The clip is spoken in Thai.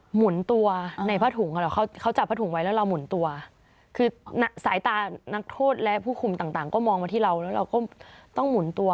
หมุนตัวในผ้าถุงเขาเขาจับผ้าถุงไว้แล้วเราหมุนตัวคือสายตานักโทษและผู้คุมต่างก็มองมาที่เราแล้วเราก็ต้องหมุนตัว